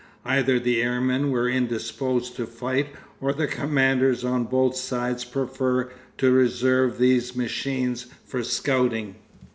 Either the airmen were indisposed to fight or the commanders on both sides preferred to reserve these machines for scouting....